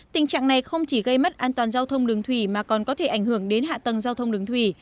tình trạng này không chỉ gây mất an toàn giao thông đường thủy mà còn có thể ảnh hưởng đến hạ tầng giao thông đường thủy